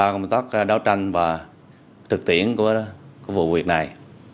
công tác đấu tranh và thực tiễn của vụ việc này